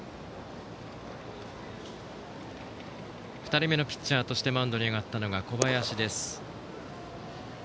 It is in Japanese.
２人目のピッチャーとしてマウンドに上がったのが小林です。